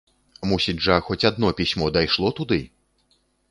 Мусіць жа, хоць адно пісьмо дайшло туды!